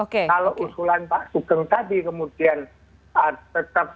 kalau usulan pak sugeng tadi kemudian tetap